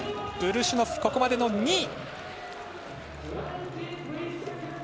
ブルシュノフ、ここまでの２位。